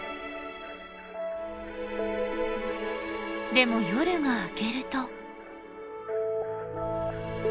でも夜が明けると。